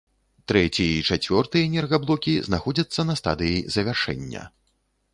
Трэці і чацвёрты энергаблокі знаходзяцца на стадыі завяршэння.